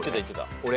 俺。